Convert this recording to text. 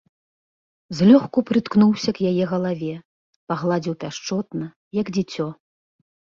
Злёгку прыткнуўся к яе галаве, пагладзіў пяшчотна, як дзіцё.